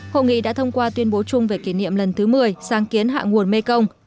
hội nghị đã thông qua tuyên bố chung về kỷ niệm lần thứ một mươi sáng kiến hạ nguồn mekong